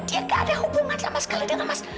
dia gak ada hubungan sama sekali dengan mas